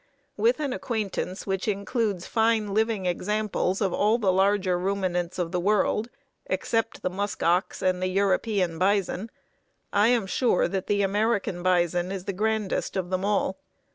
With an acquaintance which includes fine living examples of all the larger ruminants of the world except the musk ox and the European bison, I am sure that the American bison is the grandest of them all.